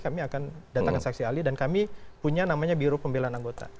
kami akan datangkan saksi ahli dan kami punya namanya biro pembelaan anggota